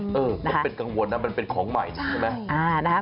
ก็เป็นกังวลนะมันเป็นของใหม่ใช่ไหม